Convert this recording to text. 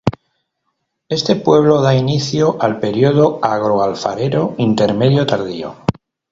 Éste pueblo da inicio al Período Agroalfarero Intermedio Tardío.